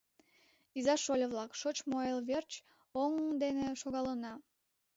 Иза-шольо-влак, шочмо эл верч оҥ дене шогалына!